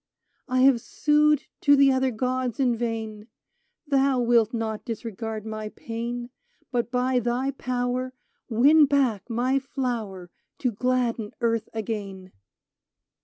I have sued to the other gods in vain : Thou wilt not disregard my pain ; But by thy power Win back my flower To gladden earth again